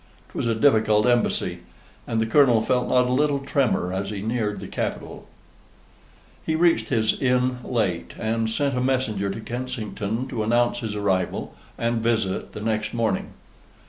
'Twas a difficult embassy; and the Colonel felt not a little tremor as he neared the capital. He reached his inn late, and sent a messenger to Kensington to announce his arrival and visit the next morning.